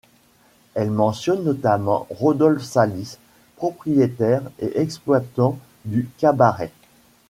Elle mentionne notamment Rodolphe Salis, propriétaire et exploitant du cabaret.